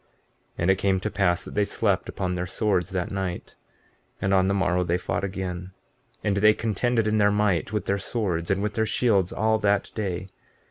15:24 And it came to pass that they slept upon their swords that night, and on the morrow they fought again, and they contended in their might with their swords and with their shields, all that day.